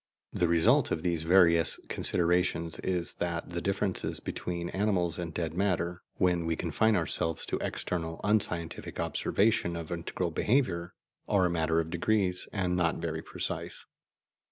The result of these various considerations is that the differences between animals and dead matter, when we confine ourselves to external unscientific observation of integral behaviour, are a matter of degree and not very precise.